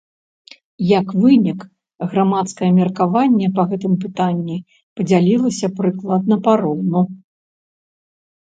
Як вынік, грамадскае меркаванне па гэтым пытанні падзялілася прыкладна пароўну.